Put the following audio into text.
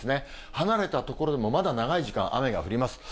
離れた所でもまだ長い時間、雨が降ります。